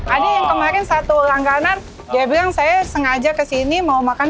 ada yang kemarin satu langganan dia bilang saya sengaja kesini mau makan